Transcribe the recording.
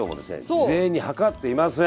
事前に量っていません。